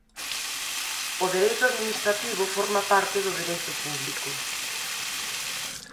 O dereito administrativo forma parte do dereito público.